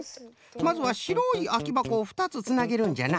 まずはしろいあきばこを２つつなげるんじゃな。